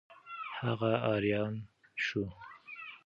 هغه آریان شو.